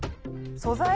素材？